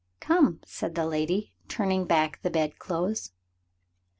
"Come," said the lady, turning back the bed clothes.